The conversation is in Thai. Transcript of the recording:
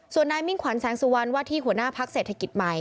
ส่วนนายมิ่งขวัญแสงสุวรรณว่าที่หัวหน้าพักเศรษฐกิจใหม่